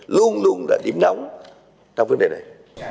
luôn luôn là điểm nóng trong vấn đề này